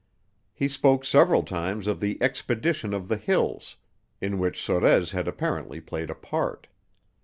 He spoke several times of the Expedition of the Hills, in which Sorez had apparently played a part.